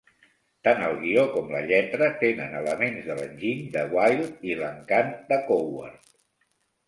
Tant el guió com la lletra tenen elements de l'enginy de Wilde i l'encant de Coward.